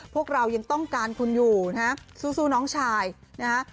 พวกเรายังต้องการคุณอยู่นะฮะสู้น้องชายนะฮะ